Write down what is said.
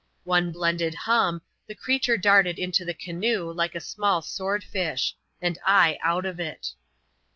One blended hum, the creature darted into the canoe like a small sword fish ; and I out of it.